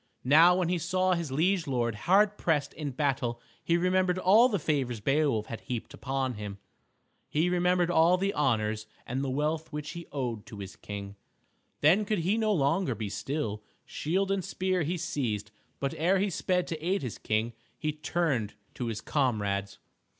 Now when he saw his liege lord hard pressed in battle he remembered all the favors Beowulf had heaped upon him. He remembered all the honors and the wealth which he owed to his King. Then could he no longer be still. Shield and spear he seized, but ere he sped to aid his King he turned to his comrades.